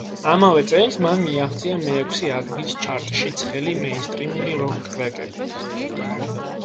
ამავე წელს მან მიაღწია მეექვსე ადგილს ჩარტში ცხელი მეინსტრიმული როკ ტრეკები.